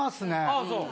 ああそう。